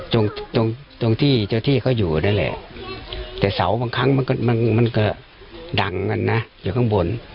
จงที่เขาอยู่นั่นแหละแต่เสาบางครั้งมันก็ดังกันนะอยู่ข้างบน